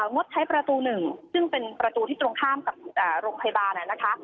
งดใช้ประตู๑ซึ่งเป็นประตูที่ตรงข้ามกับโรงพยาบาลนะคะ